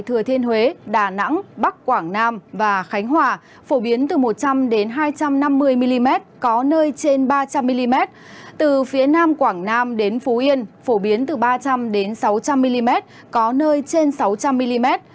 từ phía nam quảng nam đến phú yên phổ biến từ ba trăm linh sáu trăm linh mm có nơi trên sáu trăm linh mm